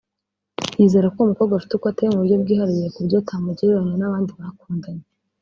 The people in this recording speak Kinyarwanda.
yizera ko uwo mukobwa afite uko ateye mu buryo bwihariye kuburyo atamugereranya n’abandi bakundanye